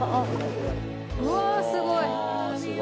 うわーすごい！